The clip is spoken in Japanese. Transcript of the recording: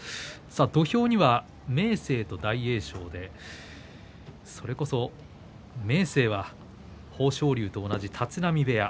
土俵には明生と大栄翔でそれこそ明生は豊昇龍と同じ立浪部屋。